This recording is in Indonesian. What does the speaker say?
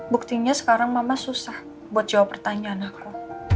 buktinya sekarang mama susah buat jawab pertanyaan aku